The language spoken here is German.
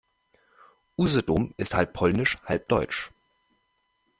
Usedom ist halb polnisch, halb deutsch.